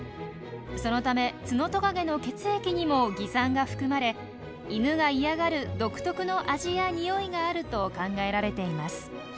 そのためツノトカゲの血液にも蟻酸が含まれイヌが嫌がる独特の味や臭いがあると考えられています。